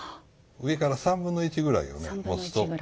上から３分の１ぐらいを持つと。